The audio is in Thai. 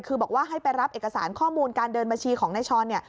คือบอกว่าให้ไปรับเอกสารข้อมูลการเดินบัญชีของนายช้อนเนี่ย